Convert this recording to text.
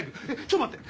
ちょっと待って！